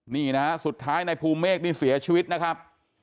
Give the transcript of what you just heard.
นี่นะฮะสุดท้ายนายภูเมฆนี่เสียชีวิตนะครับ